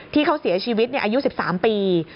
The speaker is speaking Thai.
ที่เขาเสียชีวิตอายุ๑๓ปี